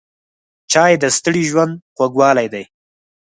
چای د ستړي ژوند خوږوالی دی.